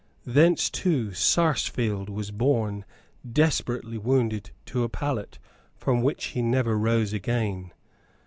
Thence too Sarsfield was borne desperately wounded to a pallet from which he never rose again.